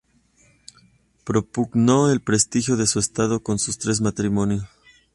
Propugnó el prestigio de su estado con sus tres matrimonios.